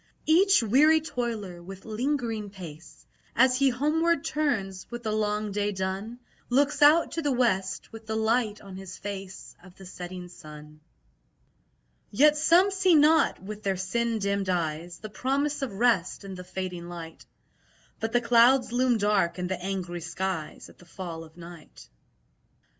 Each weary toiler, with lingering pace, As he homeward turns, with the long day done, Looks out to the west, with the light on his face Of the setting sun. Yet some see not (with their sin dimmed eyes) The promise of rest in the fading light; But the clouds loom dark in the angry skies At the fall of night.